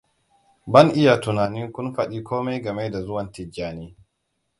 Ban iya tuna kun faɗi komai game da zuwan Tijjani.